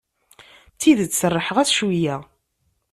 D tidet serrḥeɣ-as cweyya.